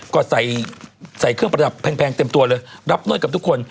ก็ใส่เครื่องประดับแพงเต็มตัวเลยรับนวดกับทุกคน